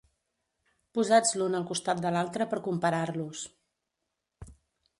Posats l'un al costat de l'altre per comparar-los.